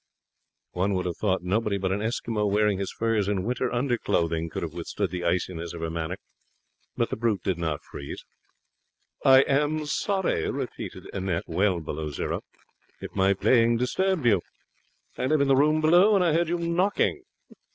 One would have thought nobody but an Eskimo wearing his furs and winter under clothing could have withstood the iciness of her manner; but the Brute did not freeze. 'I am sorry,' repeated Annette, well below zero, 'if my playing disturbed you. I live in the room below, and I heard you knocking.'